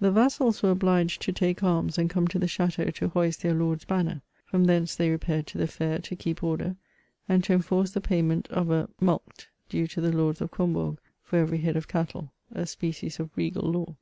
The vassals were obliged to take arms and come to the ch&teau to hoist their Lord's banner ; firom thence they repaired to the fair to keep order, and to enforce the payment of a mulct due to the Lords of Combourg for every head of cattle : a species of regal law.